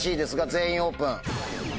全員オープン。